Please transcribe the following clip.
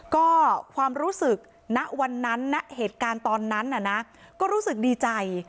ก็ความรู้สึกณวันนั้นณเหตุการณ์ตอนนั้นน่ะนะก็รู้สึกดีใจ